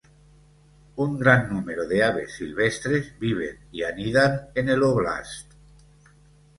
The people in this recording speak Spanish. Un gran número de aves silvestres viven y anidan en el oblast.